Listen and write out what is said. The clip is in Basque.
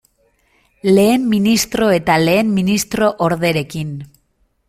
Lehen ministro eta lehen ministro orderekin.